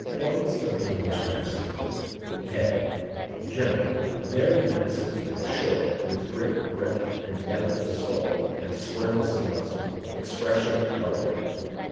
POINTS OF THE ENGLISH MASTIFF. HEAD. General. — Very massive and short, with great breadth and depth of skull, and squareness of muzzle. Expression lowering.